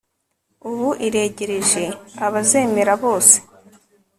ubu iregereje, abazemera bose